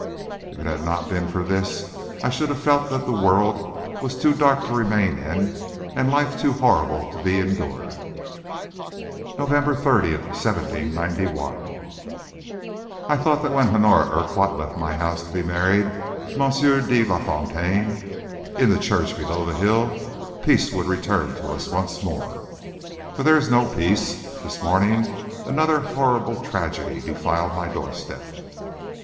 If it had not been for this, I should have felt that the world was too dark to remain in, and life too horrible to be endured. NOVEMBER 30, 1791. I thought that when Honora Urquhart left my house to be married to M. De Fontaine, in the church below the hill, peace would return to us once more. But there is no peace. This morning another horrible tragedy defiled my doorstep.